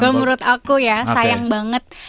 kalau menurut aku ya sayang banget